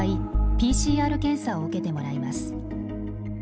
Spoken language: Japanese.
ＰＣＲ検査を受けてもらいます。